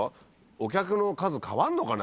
お客の数変わるのかね？